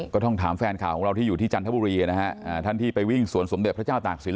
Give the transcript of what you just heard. ก็ต้องถามแฟนข่าวของเราที่อยู่ที่จันทบุรีนะฮะท่านที่ไปวิ่งสวนสมเด็จพระเจ้าตากศิล